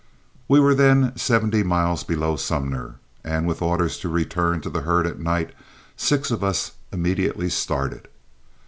We were then seventy miles below Sumner, and with orders to return to the herd at night six of us immediately started.